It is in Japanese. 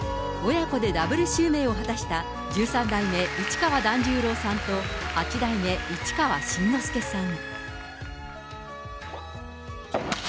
親子でダブル襲名を果たした、十三代目市川團十郎さんと八代目市川新之助さん。